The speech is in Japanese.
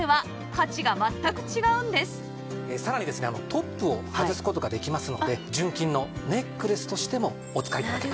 トップを外す事ができますので純金のネックレスとしてもお使い頂けます。